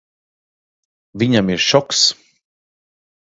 Viņam ir šoks.